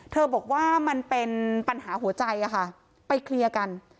บอกว่ามันเป็นปัญหาหัวใจอะค่ะไปเคลียร์กัน